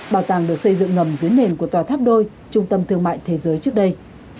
bảo tàng được xây dựng ngầm dưới nền của tòa tháp đôi trung tâm thương mại thế giới trước đây